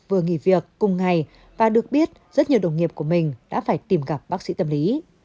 vừa nghỉ việc cùng ngày và được biết rất nhiều đồng nghiệp của mình đã phải tìm gặp bác sĩ tâm lý